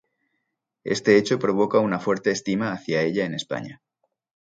Este hecho provoca una fuerte estima hacia ella en España.